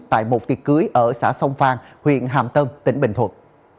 tại một tiệc cưới ở xã sông phan huyện hàm tân tỉnh bình thuận